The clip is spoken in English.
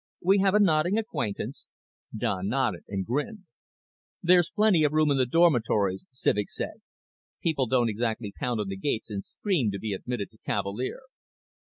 "We have a nodding acquaintance." Don nodded and grinned. "There's plenty of room in the dormitories," Civek said. "People don't exactly pound on the gates and scream to be admitted to Cavalier."